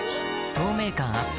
透明感アップ